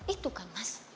itu kan mas